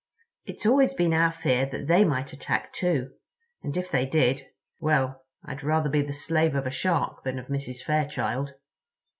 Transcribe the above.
It's always been our fear that they might attack, too: and if they did—well, I'd rather be the slave of a Shark than of Mrs. Fairchild."